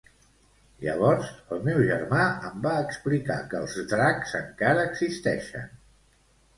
Llavors el meu germà em va explicar que els dracs encara existeixen.